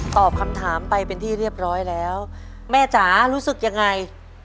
ตอบคำถามไปเป็นที่เรียบร้อยแล้วแม่จ๋ารู้สึกยังไง